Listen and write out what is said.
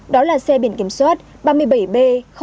đó là xe biển kiểm soát ba mươi bảy b bốn mươi bảy